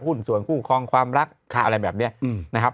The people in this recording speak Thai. หุ้นส่วนคู่คลองความรักอะไรแบบนี้นะครับ